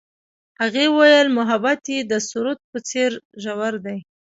هغې وویل محبت یې د سرود په څېر ژور دی.